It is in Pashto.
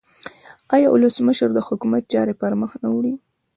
آیا ولسمشر د حکومت چارې پرمخ نه وړي؟